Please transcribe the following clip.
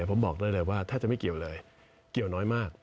ผมบอกได้เลยว่าถ้าจะไม่เกี่ยวเลยเกี่ยวน้อยมาก